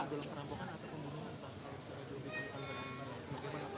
untuk pelaku sudah berapa pak